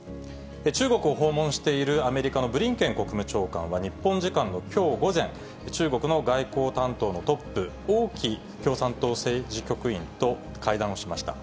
中国を訪問しているアメリカのブリンケン国務長官は、日本時間のきょう午前、中国の外交担当のトップ、王毅共産党政治局員と会談をしました。